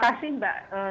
sudah pasti bahwa